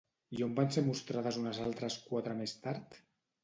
I on van ser mostrades unes altres quatre més tard?